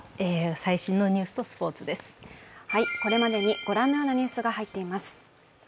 これまでにご覧のようなニュースが入っています。